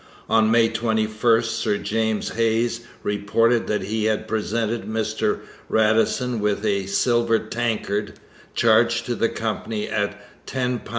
On May 21 Sir James Hayes reported that he had presented Mr Radisson with 'a silver tankard, charged to the Company at £10 14.